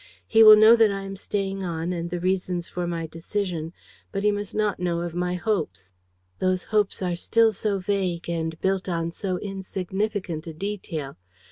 He will know that I am staying on and the reasons for my decision; but he must not know of my hopes. "Those hopes are still so vague and built on so insignificant a detail.